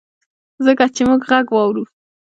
ځکه چي مونږ ږغ واورو